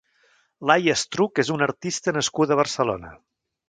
Laia Estruch és una artista nascuda a Barcelona.